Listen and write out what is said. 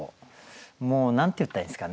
もう何て言ったらいいんですかね